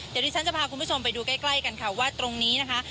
เดี๋ยวที่ฉันจะพาคุณผู้ชมไปดูใกล้กันค่ะว่าตรงนี้นะคะ